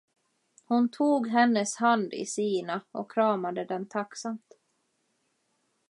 Hon tog hennes hand i sina, och kramade den tacksamt.